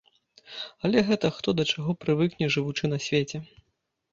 Але гэта хто да чаго прывыкне, жывучы на свеце.